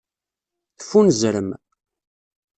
Teffunzrem.